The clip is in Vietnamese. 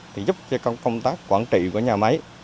thì giúp cho công tác quản trị của nhà máy